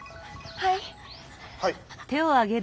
はい。